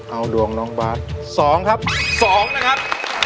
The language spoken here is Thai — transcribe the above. เอาดวงน้องบาท๒ครับ๒นะครับ